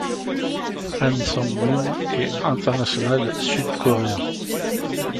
Han Sang-woon est international sud-coréen.